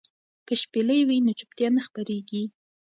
که شپېلۍ وي نو چوپتیا نه خپریږي.